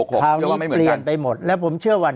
ข่าวนี้เปลี่ยนไปหมดแล้วผมเชื่อว่า